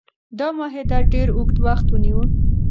دا معاهده ډیر اوږد وخت ونیو.